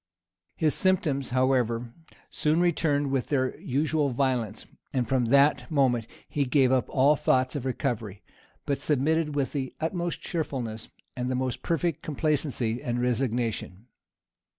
His symptoms, however, soon returned with their usual violence; and from that moment he gave up all thoughts of recovery, but submitted with the utmost cheerfulness, and the most perfect complacency and resignation.